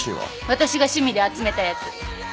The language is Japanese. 私が趣味で集めたやつ。